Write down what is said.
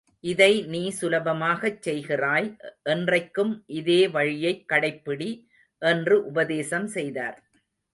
இதை நீ சுலபமாகச் செய்கிறாய், என்றைக்கும் இதே வழியைக் கடைப்பிடி என்று உபதேசம் செய்தார்.